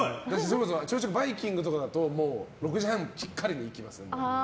朝食バイキングとかだと６時半きっかりに行きます。